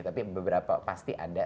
tapi beberapa pasti ada